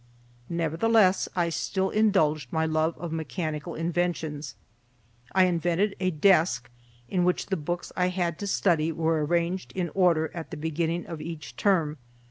Nevertheless, I still indulged my love of mechanical inventions. I invented a desk in which the books I had to study were arranged in order at the beginning of each term.